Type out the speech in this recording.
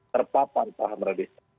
terpapar paham radikal